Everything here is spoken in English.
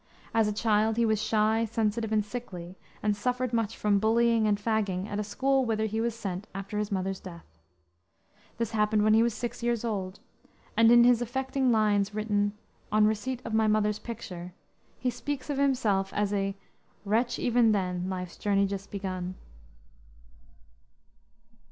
As a child, he was shy, sensitive, and sickly, and suffered much from bullying and fagging at a school whither he was sent after his mother's death. This happened when he was six years old; and in his affecting lines written On Receipt of My Mother's Picture, he speaks of himself as a "Wretch even then, life's journey just begun."